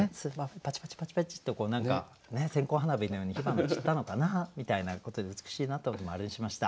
パチパチパチパチッとこう何か線香花火のように火花散ったのかなみたいなことで美しいなと思って○にしました。